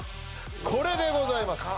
これでございます